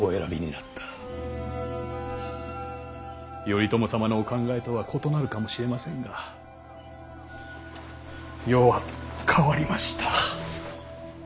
頼朝様のお考えとは異なるかもしれませんが世は変わりました。